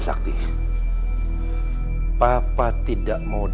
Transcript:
sakti enggak mau